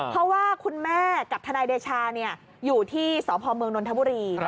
เพราะว่าคุณแม่กับทนายเดชาอยู่ที่สพเมืองนนทบุรี